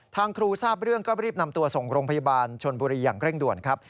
ทางครูทราบเรื่องก็รีบนำตัวส่งโรงพยาบาลชนบุรีอย่างเร่งด่วนครับ